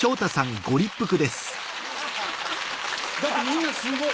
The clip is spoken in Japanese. だってみんなすごい。